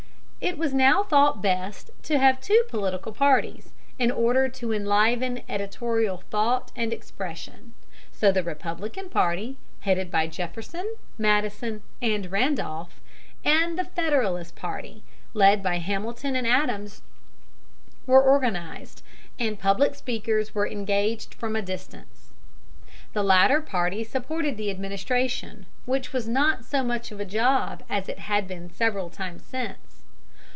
It was now thought best to have two political parties, in order to enliven editorial thought and expression. So the Republican party, headed by Jefferson, Madison, and Randolph, and the Federalist party, led by Hamilton and Adams, were organized, and public speakers were engaged from a distance. The latter party supported the administration, which was not so much of a job as it has been several times since.